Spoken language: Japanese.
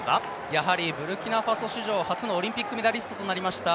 やはりブルキナファソ史上オリンピック初のメダリストとなりました